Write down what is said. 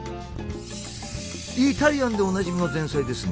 イタリアンでおなじみの前菜ですね。